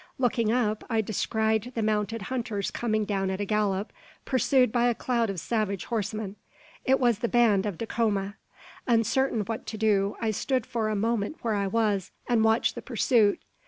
Looking up, I descried the mounted hunters coming down at a gallop, pursued by a cloud of savage horsemen. It was the band of Dacoma! Uncertain what to do, I stood for a moment where I was, and watched the pursuit.